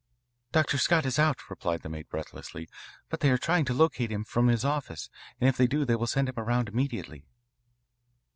"Dr. Scott is out," reported the maid breathlessly, "but they are trying to locate him from his office, and if they do they will send him around immediately."